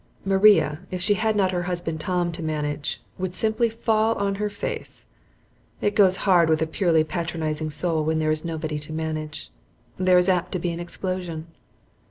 Maria if she had not her husband Tom to manage, would simply fall on her face. It goes hard with a purely patronizing soul when there is nobody to manage; there is apt to be an explosion.